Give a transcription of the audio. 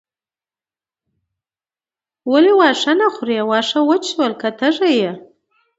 ولې واښه نه خورې واښه وچ شول که تږې یې.